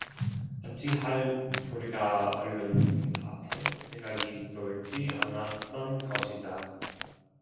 어찌할 도리가 얼른 눈앞에 생각이 돌지 않았던 것이다.